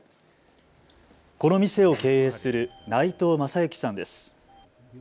この店を経営する内藤政行さんです。